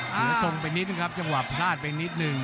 เสียทรงไปนิดนึงครับจังหวะพลาดไปนิดนึง